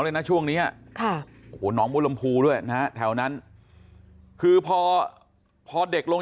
เลยนะช่วงนี้หอน้องกุลมภูว่าเลยนะแถวนั้นคือพอพอเด็กลง